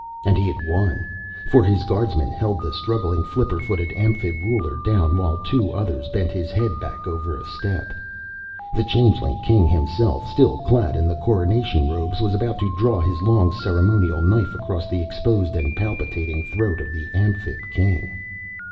And he had won, for his guardsmen held the struggling flipper footed Amphib ruler down while two others bent his head back over a step. The Changeling King himself, still clad in the coronation robes, was about to draw his long ceremonial knife across the exposed and palpitating throat of the Amphib King.